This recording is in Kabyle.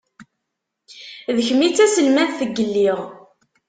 D kemm i d taselmadt n yelli..